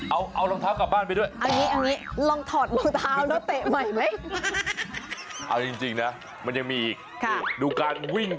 เอ้าแตะเลยปั๊บเอ้า